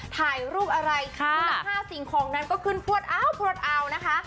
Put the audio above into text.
ถ่ายรูปอะไรค่ะหลักห้าสิ่งของนั้นก็คืนพลวทอัลพลวทอัลนะคะ